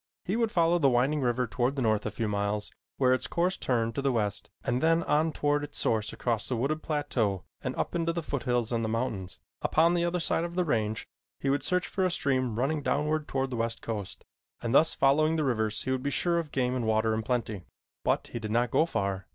He would follow the winding river toward the north a few miles where its course turned to the west and then on toward its source across a wooded plateau and up into the foothills and the mountains. Upon the other side of the range he would search for a stream running downward toward the west coast, and thus following the rivers he would be sure of game and water in plenty. But he did not go far.